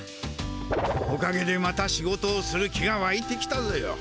おかげでまた仕事をする気がわいてきたぞよ。